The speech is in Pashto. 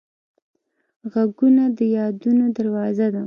غږونه د یادونو دروازه ده